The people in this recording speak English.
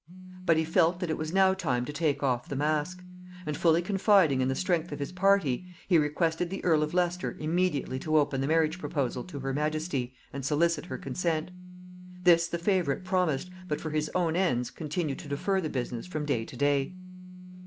But he felt that it was now time to take off the mask; and fully confiding in the strength of his party, he requested the earl of Leicester immediately to open the marriage proposal to her majesty, and solicit her consent. This the favorite promised, but for his own ends continued to defer the business from day to day.